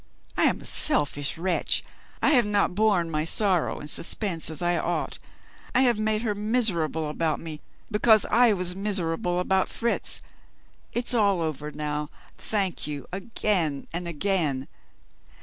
I am a selfish wretch; I have not borne my sorrow and suspense as I ought; I have made her miserable about me, because I was miserable about Fritz. It's all over now. Thank you again and again.